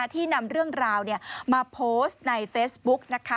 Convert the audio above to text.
ที่นำเรื่องราวมาโพสต์ในเฟซบุ๊กนะคะ